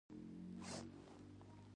احکام او هدایات اړونده مرجعو ته واستوئ.